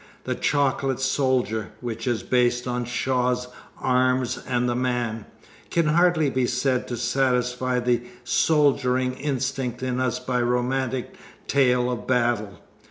The Chocolate Soldier, which is based on Shaw's Arms and the Man, can hardly be said to satisfy the soldiering instinct in us by a romantic tale of battle.